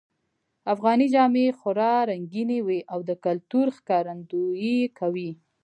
افغانۍ جامې خورا رنګینی وی او د کلتور ښکارندویې کوی